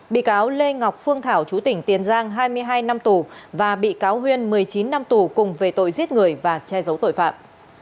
bị cáo lê ngọc phương thảo chú tỉnh tiền giang hai mươi hai năm tù và bị cáo huyên một mươi chín năm tù cùng về tội giết người và che giấu tội phạm